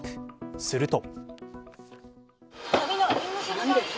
すると。